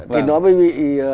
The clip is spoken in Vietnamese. thì nó mới bị